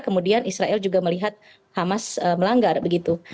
kemudian israel juga melihat hamas melanggar begitu